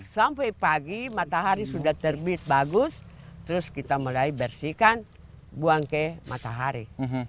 sampai pagi matahari sudah terbit bagus terus kita mulai bersihkan buang ke matahari